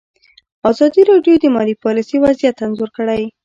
ازادي راډیو د مالي پالیسي وضعیت انځور کړی.